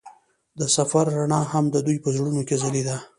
د سفر رڼا هم د دوی په زړونو کې ځلېده.